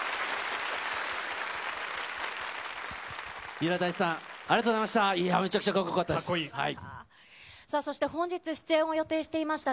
三浦大知さん、ありがとうございました。